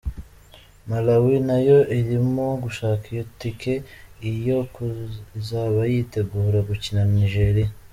Malawi nayo irimo gushaka iyo tike, yo izaba yitegura gukina na Nigeria.